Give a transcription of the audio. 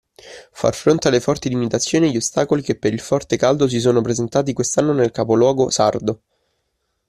Far fronte alle forti limitazioni e gli ostacoli che per il forte caldo si sono presentati quest'anno nel capoluogo Sardo.